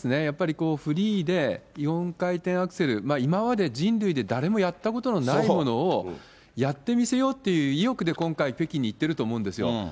やっぱりこう、フリーで４回転アクセル、今まで人類で誰もやったことのないものをやって見せようっていう意欲で今回、北京に行ってると思うんですよ。